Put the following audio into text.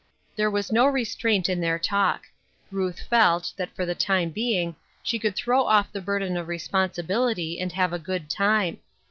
There was no restraint in their talk. Ruth felt, that for the time being, she could throw off the burden of responsibility and have a good time.